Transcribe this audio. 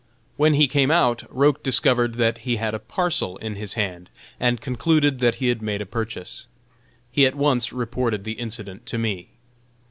When he came out Roch discovered that he had a parcel in his hand, and concluded that he had made a purchase. He at once reported the incident to me.